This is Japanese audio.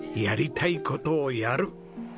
やりたい事をやる。